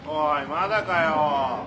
まだかよ。